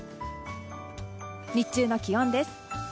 日中の気温です。